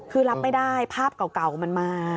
คือรับไม่ได้ภาพเก่ามันมา